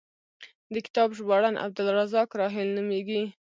د کتاب ژباړن عبدالرزاق راحل نومېږي.